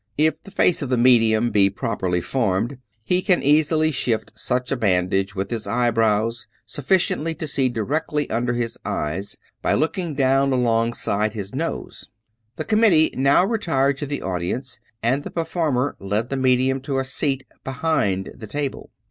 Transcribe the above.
If the face of the medium be properly formed, he can easily shift such a bandage with his eyebrows, sufficiently to see directly under his eyes, by looking down alongside his nose. The committee now retired to the audience, and the performer led the medium to a seat behind the table.